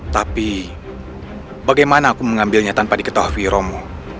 tapi bagaimana aku mengambilnya tanpa diketahui romo